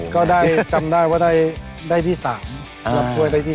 ก็ได้จำได้ว่าได้ที่๓รับถ้วยได้ที่๓